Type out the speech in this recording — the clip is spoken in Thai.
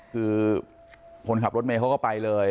คือคนขับรถเมย์เขาก็ไปเลย